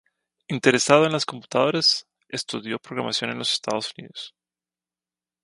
Interesado en las computadoras, estudió programación en los Estados Unidos.